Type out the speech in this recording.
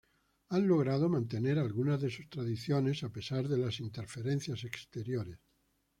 Han logrado mantener algunas de sus tradiciones, a pesar de las interferencias exteriores.